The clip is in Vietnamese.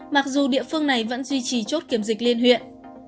mặc dù địa phương này vẫn duy trì chốt kiểm dịch liên huyện